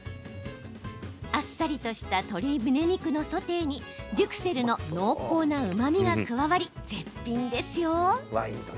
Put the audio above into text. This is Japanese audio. あっさりとした鶏むね肉のソテーにデュクセルの濃厚なうまみが加わり絶品ですよ。